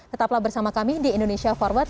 tetaplah bersama kami di indonesia forward